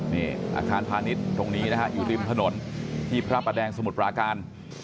นี่อาคารพาณิชย์ตรงนี้นะฮะอยู่ริมถนนที่พระประแดงสมุทรปราการ